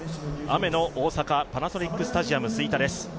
雨の大阪、パナソニックスタジアム吹田です。